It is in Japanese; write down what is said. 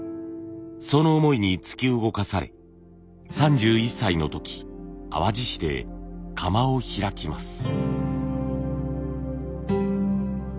その思いに突き動かされ３１歳の時淡路市で窯を開きます。